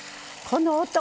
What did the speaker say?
この音！